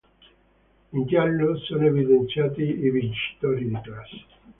In giallo sono evidenziati i vincitori di classe.